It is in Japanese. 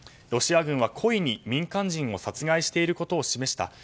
ロシア軍は故意に民間人を殺害していることを示した。